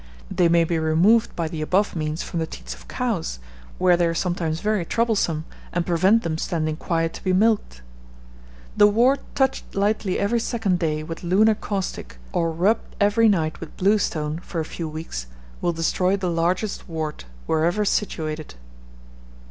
They may be removed by the above means from the teats of cows, where they are sometimes very troublesome, and prevent them standing quiet to be milked. The wart touched lightly every second day with lunar caustic, or rubbed every night with blue stone, for a few weeks, will destroy the largest wart, wherever situated.